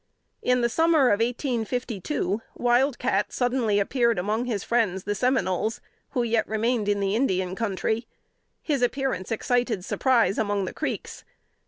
In the summer of 1852, Wild Cat suddenly appeared among his friends, the Seminoles, who yet remained in the Indian Country. His appearance excited surprise among the Creeks.